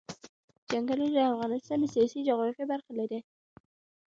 چنګلونه د افغانستان د سیاسي جغرافیه برخه ده.